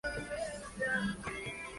Ha vivido en Madrid, Roma, y Manila.